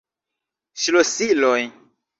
Ŝlosiloj!